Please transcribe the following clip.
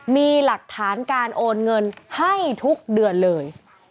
มีหลักฐานการโอนเงินให้ทุกเดือนเลย